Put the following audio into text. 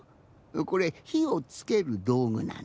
これひをつけるどうぐなの。